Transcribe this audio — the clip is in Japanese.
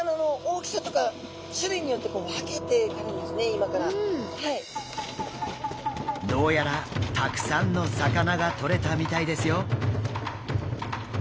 今どうやらたくさんの魚がとれたみたいですよ。